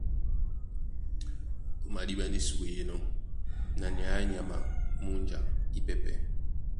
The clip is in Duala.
Ó madíɓá ndé súe í enɔ́ na nyay á nyama a múnja ípɛ́pɛ̄.